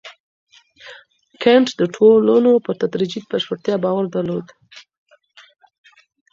کنت د ټولنو په تدريجي بشپړتيا باور درلود.